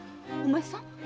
お前さん？